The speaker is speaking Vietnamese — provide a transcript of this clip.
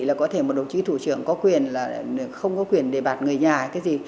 là có thể một đồng chí thủ trưởng có quyền là không có quyền đề bạt người nhà cái gì